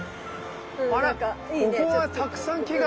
あらここはたくさん木が。